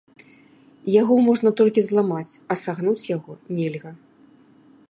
Яго можна толькі зламаць, а сагнуць яго нельга.